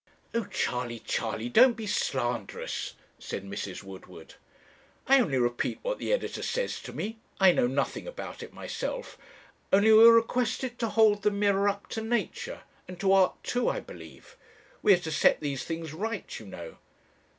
'Oh, Charley, Charley, don't be slanderous,' said Mrs. Woodward. 'I only repeat what the editor says to me I know nothing about it myself. Only we are requested 'to hold the mirror up to nature,' and to art too, I believe. We are to set these things right, you know.'